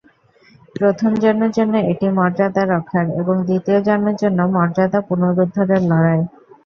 প্রথমজনের জন্য এটা মর্যাদা রক্ষার এবং দ্বিতীয়জনের জন্য মর্যাদা পুনরুদ্ধারের লড়াই।